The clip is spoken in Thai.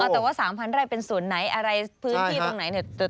แต่ว่า๓๐๐ไร่เป็นส่วนไหนอะไรพื้นที่ตรงไหนเนี่ย